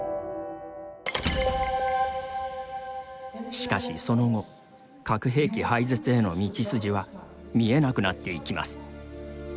しかしその後核兵器廃絶への道筋は見えなくなっていきます。